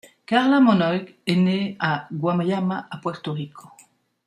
Karla Monoig est née à Guayama à Puerto Rico.